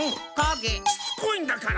しつこいんだから。